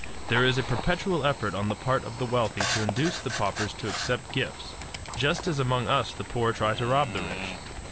There is a perpetual effort on the part of the wealthy to induce the paupers to accept gifts, just as among us the poor try to rob the rich.